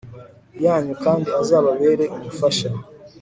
yanyu kandi azababera Umufasha …